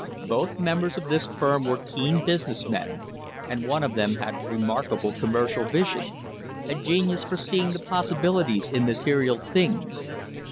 Both members of this firm were keen business men, and one of them had remarkable commercial vision — a genius for seeing the possibilities in material things.